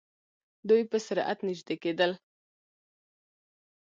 دوئ په سرعت نژدې کېدل.